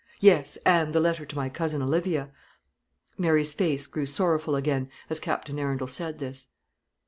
"Yes; and the letter to my cousin Olivia." Mary's face grew sorrowful again, as Captain Arundel said this.